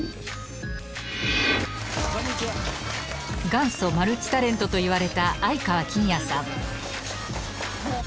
元祖マルチタレントといわれた愛川欽也さん。